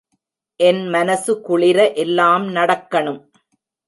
என் மனசு குளிர எல்லாம் நடக்கணும்.